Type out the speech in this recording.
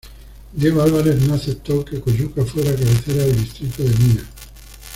Diego Álvarez no aceptó que Coyuca fuera cabecera del Distrito de Mina.